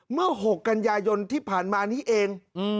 เมื่อ๖กัญญายนที่ผ่านมานี้เอง